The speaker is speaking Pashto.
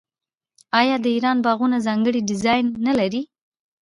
آیا د ایران باغونه ځانګړی ډیزاین نلري؟